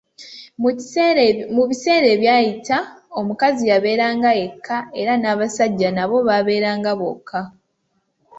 Mu biseera ebyayita, omukazi yabeeranga yekka era n'abasajja nabo baabeeranga bokka